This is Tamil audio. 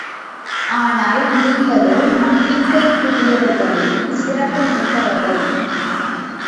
ஆனால் நீங்களோ, நம்பிக்கைக்குரியவர்களில் சிறப்பு மிக்கவர்கள்.